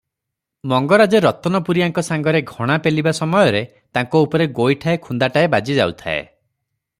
ମଙ୍ଗରାଜେ ରତନପୁରିଆଙ୍କ ସାଙ୍ଗରେ ଘଣା ପେଲିବା ସମୟରେ ତାଙ୍କ ଉପରେ ଗୋଇଠାଏ, ଖୁନ୍ଦାଟାଏ ବାଜିଯାଉଥାଏ ।